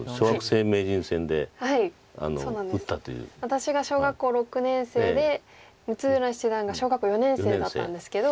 私が小学校６年生で六浦七段が小学校４年生だったんですけど。